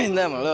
cinta sama lu